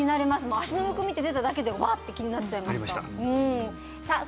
もう足のむくみって出ただけでワッて気になっちゃいましたさあ